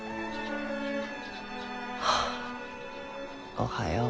おはよう。